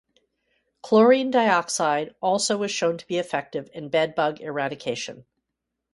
Chlorine dioxide also was shown to be effective in bedbug eradication.